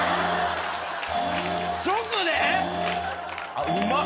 あっうまっ。